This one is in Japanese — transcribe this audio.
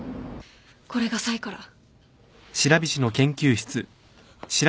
これがサイから。